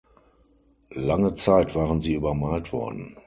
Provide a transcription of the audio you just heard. Lange Zeit waren sie übermalt worden.